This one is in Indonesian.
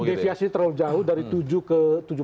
previazion terlalu jauh dari tujuh ke tujuh puluh empat